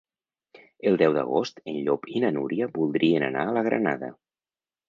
El deu d'agost en Llop i na Núria voldrien anar a la Granada.